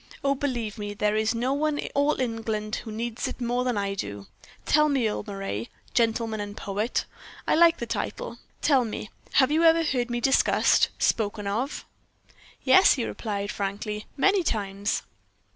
"Oh! believe me, there is no one in all England who needs it more than I do. Tell me, Earle Moray 'gentleman and poet' I like the title tell me, have you ever heard me discussed spoken of?" "Yes," he replied, frankly, "many times."